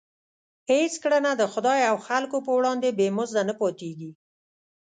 هېڅ کړنه د خدای او خلکو په وړاندې بې مزده نه پاتېږي.